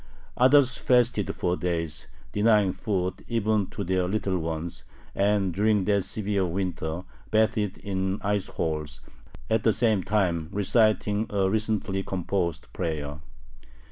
Others fasted for days, denying food even to their little ones, and during that severe winter bathed in ice holes, at the same time reciting a recently composed prayer.